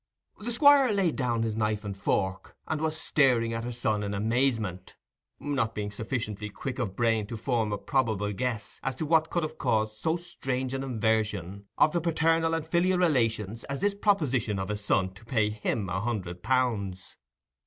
The Squire had laid down his knife and fork, and was staring at his son in amazement, not being sufficiently quick of brain to form a probable guess as to what could have caused so strange an inversion of the paternal and filial relations as this proposition of his son to pay him a hundred pounds.